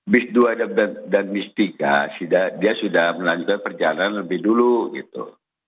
bis dua dan mis tiga dia sudah melanjutkan perjalanan lebih dulu gitu